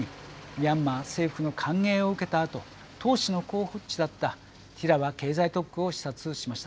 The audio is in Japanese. ミャンマー政府の歓迎を受けたあと投資の候補地だったティラワ経済特区を視察しました。